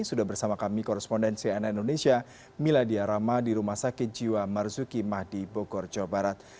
sudah bersama kami korespondensi ana indonesia miladia rahma di rumah sakit jiwa marzuki mahdi bogor jawa barat